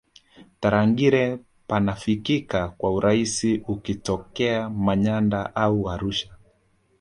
tarangire panafikika kwa urahisi ukitokea manyara au arusha